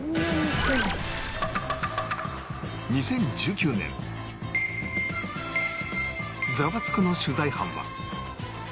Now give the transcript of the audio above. ２０１９年『ザワつく！』の取材班は